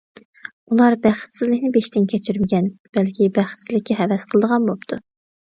ئۇلار بەختسىزلىكنى بېشىدىن كەچۈرمىگەن، بەلكى بەختسىزلىككە ھەۋەس قىلىدىغان بوپتۇ.